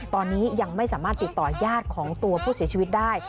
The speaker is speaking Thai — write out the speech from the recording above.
ตอนนี้ยังไม่สามารถติดต่อยาดของตัวผู้เสียชีวิตได้